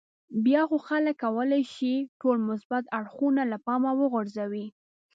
بیا خو خلک کولای شي ټول مثبت اړخونه له پامه وغورځوي.